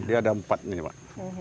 dia ada empat nih mbak